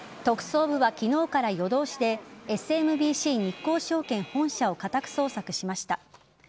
特捜部は昨日から夜通しでＳＭＢＣ日興証券本社を家宅捜索しました。